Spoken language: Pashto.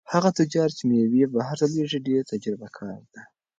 هغه تجار چې مېوې بهر ته لېږي ډېر تجربه کار دی.